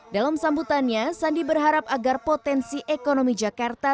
dalam sambutannya sandi berharap agar potensi ekonomi jakarta